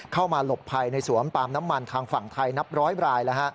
เข้ามาหลบภัยในสวมปามน้ำมันข้างฝั่งไทยนับร้อยบรายแล้ว